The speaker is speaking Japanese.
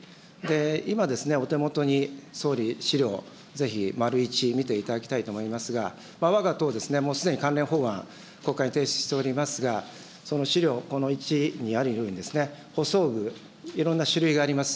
今、お手元に総理、資料ぜひ、丸１、見ていただきたいと思いますが、わが党、すでに関連法案、国会に提出しておりますが、その資料、この１にあるように、補装具、いろんな種類があります。